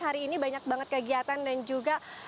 hari ini banyak banget kegiatan dan juga